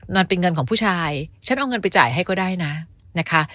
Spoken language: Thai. มันเป็นเงินของผู้ชายฉันเอาเงินไปจ่ายให้ก็ได้นะนะคะ